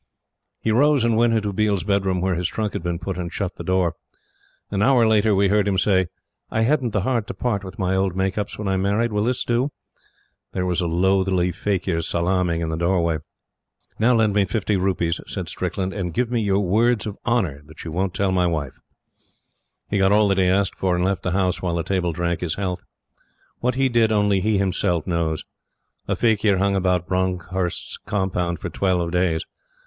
He rose and went into Biel's bedroom where his trunk had been put, and shut the door. An hour later, we heard him say: "I hadn't the heart to part with my old makeups when I married. Will this do?" There was a lothely faquir salaaming in the doorway. "Now lend me fifty rupees," said Strickland, "and give me your Words of Honor that you won't tell my Wife." He got all that he asked for, and left the house while the table drank his health. What he did only he himself knows. A faquir hung about Bronckhorst's compound for twelve days.